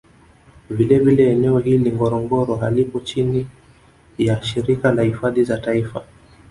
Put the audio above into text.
Vile vile eneo hili la ngorongoro halipo chini ya Shirika la hifadhi za Taifa